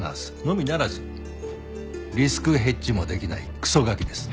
のみならずリスクヘッジもできないクソガキです。